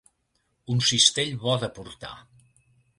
Un cistell bo de portar.